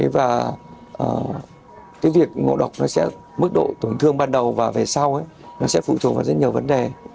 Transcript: và cái việc ngộ độc nó sẽ mức độ tổn thương ban đầu và về sau nó sẽ phụ thuộc vào rất nhiều vấn đề